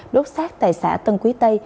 đốt xác tại xã tân quý tây